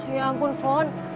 ya ampun fon